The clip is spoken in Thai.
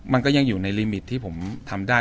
มันก็ยังอยู่ในลิมิตที่ผมทำได้